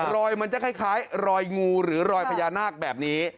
รอยมันจะคล้ายรอยงูหรือรอยพญานาคแบบนี้